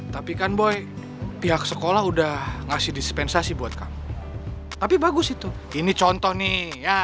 tapi kan boy pihak sekolah udah ngasih dispensasi buat kamu tapi bagus itu ini contoh nih ya